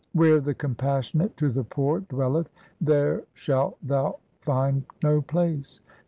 Where the Compassionate to the poor dwelleth, there shalt thou find no place.